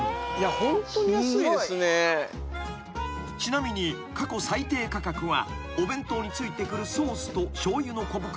［ちなみに過去最低価格はお弁当についてくるソースとしょうゆの小袋］